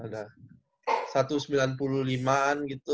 ada satu sembilan puluh lima an gitu satu sembilan puluh tujuh